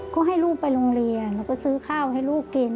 ก็ให้ลูกไปโรงเรียนแล้วก็ซื้อข้าวให้ลูกกิน